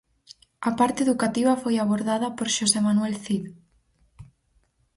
A parte educativa foi abordada por Xosé Manuel Cid.